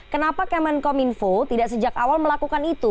kenapa kemenkom info tidak sejak awal melakukan itu